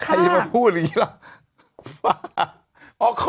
ใครจะมาพูดแบบนี้เหรอ